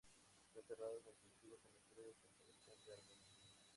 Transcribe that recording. Fue enterrado en el antiguo Cementerio San Sebastián de Armenia.